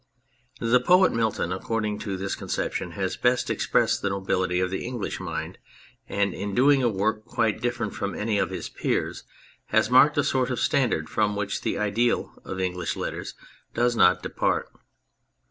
The poet Milton, according to this conception, has best expressed the nobility of the English mind, and in doing a work quite different from any of his peers has marked a sort of standard from which the ideal of English letters does not depart.